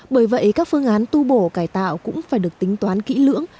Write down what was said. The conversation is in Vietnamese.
bởi vậy các phương án tu bổ cải tạo cũng phải được tính toán kỹ lưỡng